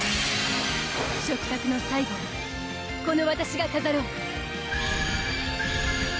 食卓の最後をこのわたしが飾ろう！